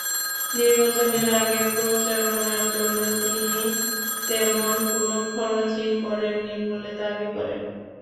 নির্বাচনের আগে প্রচারণার জন্য তিনি তেমন কোনো খরচই করেননি বলে দাবি করেন।